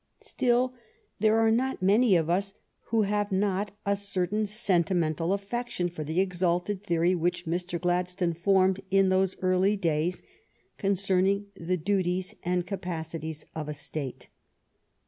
Still, there are not many of us who have not a certain sentimental affection for the exalted theory which Mr. Gladstone formed in those early days concerning the duties and capaci ties of a State.